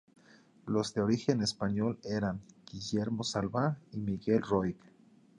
Los de origen español eran: Guillermo Salvá y Miguel Roig.